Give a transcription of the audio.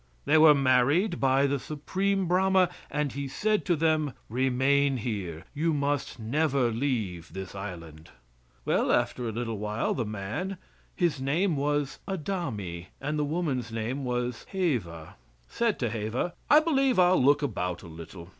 They were married by the Supreme Brahma, and he said to them, "Remain here; you must never leave this island." Well, after a little while the man and his name was Adami, and the woman's name was Heva said to Heva: "I believe I'll look about a little."